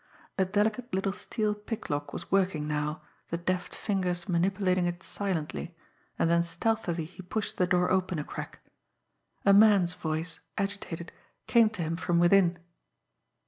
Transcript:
A delicate little steel picklock was working now, the deft fingers manipulating it silently, and then stealthily he pushed the door open a crack. A man's voice, agitated, came to him from within